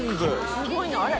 すごいなあれ。